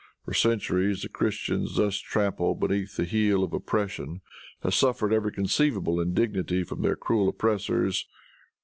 For centuries the Christians, thus trampled beneath the heel of oppression, have suffered every conceivable indignity from their cruel oppressors.